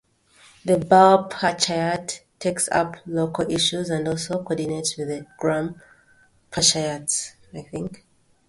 The Bal Panchayat takes up local issues and also coordinates with the Gram Panchayats.